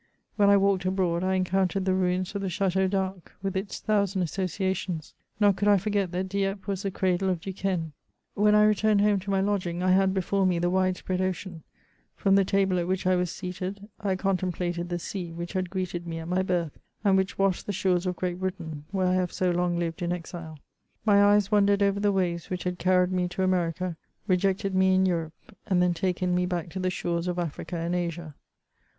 When I walked abroad, I encountered the ruins of the Chateau d' Arques, with its thousand associations ; nor could I forget that Dieppe was the cradle of Duquesne. When I returned home to my lodging, I had before me the wide spread ocean : from the table at which I was seated, I contemplated the sea which had greeted me at my birth, and which washed the shores of Great Britain, where I have so long lived in exile. My eyes wandered over the waves which had carried me to America, rejected me in Europe, and then taken me back to the shores of Africa and Asia.